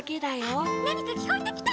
・あっなにかきこえてきた！